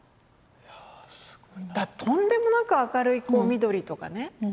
とんでもなく明るい緑とかね。